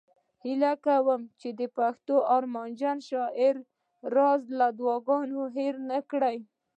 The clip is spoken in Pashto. هیله کوم چې د پښتنو ارمانجن شاعر راز له دعاګانو هیر نه کړي